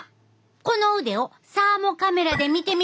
この腕をサーモカメラで見てみると？